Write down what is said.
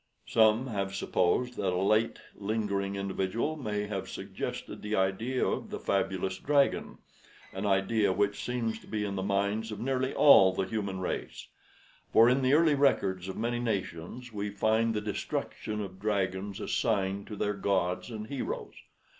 Some have supposed that a late, lingering individual may have suggested the idea of the fabulous dragon an idea which seems to be in the minds of nearly all the human race, for in the early records of many nations we find the destruction of dragons assigned to their gods and heroes.